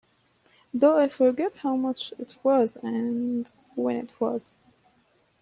Though I forgot how much it was and when it was.